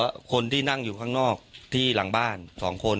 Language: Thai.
แล้วคนที่นั่งอยู่ข้างนอกที่หลังบ้าน๒คน